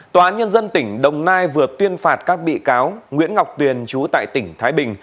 tòa án nhân dân tỉnh đồng nai vừa tuyên phạt các bị cáo nguyễn ngọc tuyền chú tại tỉnh thái bình